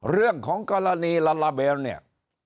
เรื่องของกรณีลาลาเบลเนี่ย